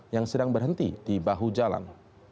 yang sedang berhenti di bahu jalan